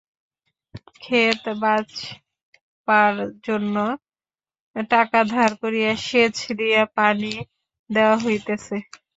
খেত বাঁচপার জন্যে টাকা ধার করিয়া সেচ দিয়া পানি দেওয়া হইতেছে।